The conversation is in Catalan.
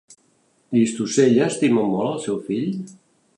Llistosella estima molt al seu fill?